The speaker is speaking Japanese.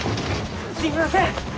すみません！